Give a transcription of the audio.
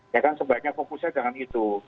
ya kan sebaiknya fokusnya jangan itu